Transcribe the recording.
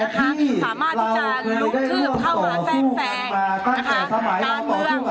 สามารถที่จะลุกขึ้นเข้ามาแซ่งตะเมือง